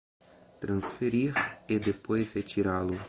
Transferir e depois retirá-lo